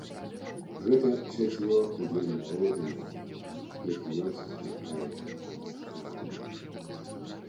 Гэта чацвёрты дзень народзінаў, які ён сустракае за кратамі.